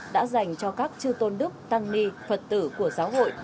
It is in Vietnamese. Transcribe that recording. đã dành cho các chư tôn đức tăng ni phật tử của giáo hội